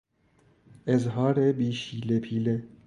اظهار بی شیله پیله